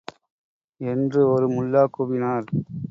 என்று ஒரு முல்லா கூவினார்.